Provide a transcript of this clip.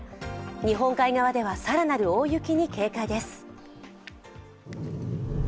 日本海側では更なる大雪に警戒です。